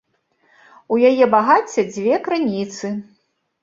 У яе багацця дзве крыніцы.